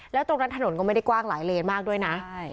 แล้วตรงนั้นถนนก็ไม่ได้กว้างหลายเลนมากด้วยนะ